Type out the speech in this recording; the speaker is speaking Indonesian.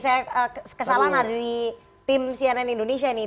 saya kesalahan lah di tim cnn indonesia ini